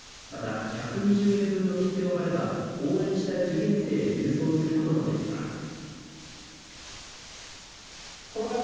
また、１２０円分の切手を貼れば応援したい受験生へ郵送することもできます。